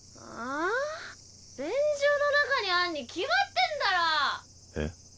便所の中にあんに決まってんだろえっ？